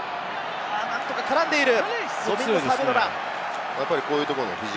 何とか絡んでいる。